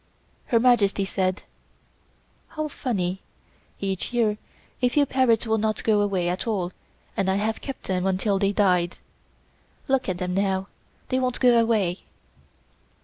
Her Majesty said: "How funny; each year a few parrots will not go away at all and I have kept them until they died. Look at them now. They won't go away."